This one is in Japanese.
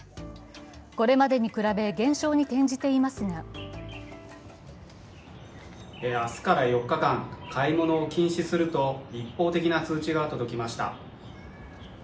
これまでに比べ減少に転じていますが明日から４日間、買い物を禁止すると一方的な通知が届きました。